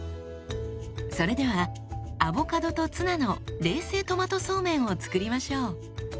それではアボカドとツナの冷製トマトそうめんを作りましょう。